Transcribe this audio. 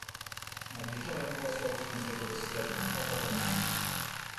"Nad wieczorem posłał służącego do sklepu po Obermana."